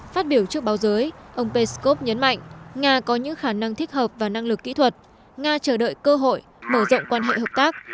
phát biểu trước báo giới ông peskov nhấn mạnh nga có những khả năng thích hợp và năng lực kỹ thuật nga chờ đợi cơ hội mở rộng quan hệ hợp tác